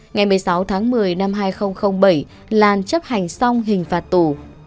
ngày một mươi sáu tháng một mươi năm hai nghìn bảy lan chấp hành xong hình phạt tù